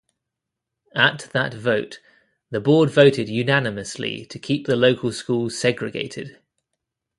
At that vote, the board voted unanimously to keep the local school segregated.